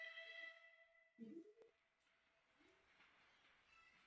دا ولایت په دې وروستیو کې منل شوی دی.